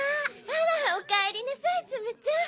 あらおかえりなさいツムちゃん。